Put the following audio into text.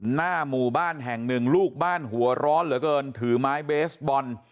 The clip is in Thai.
หน้าหมู่บ้านแห่งหนึ่งลูกบ้านหัวร้อนเหลือเกินถือไม้เบสบอล